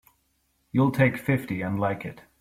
You'll take fifty and like it!